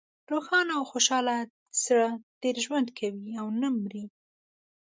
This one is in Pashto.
روښانه او خوشحاله زړه ډېر ژوند کوي او نه مری.